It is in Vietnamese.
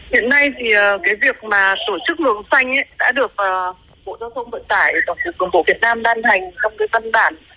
hiện nay thì cái việc mà tổ chức lường xanh đã được bộ giao thông vận tải và cổng bộ việt nam đan hành trong cái văn bản